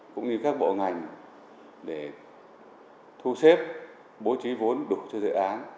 cũng như các bộ ngành để thu xếp bố trí vốn đủ cho dự án